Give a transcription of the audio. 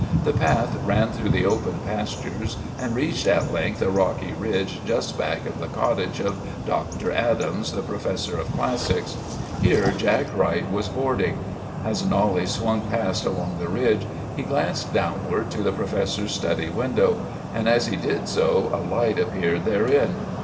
The path ran through the open pastures, and reached at length a rocky ridge just back of the cottage of Doctor Adams, the professor of classics. Here Jack Wright was boarding. As Knollys swung past along the ridge he glanced downward to the professor's study window; and as he did so a light appeared therein.